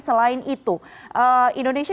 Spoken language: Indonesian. selain itu indonesia